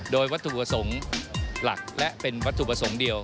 โดยวัตถุประสงค์หลักและเป็นวัตถุประสงค์เดียว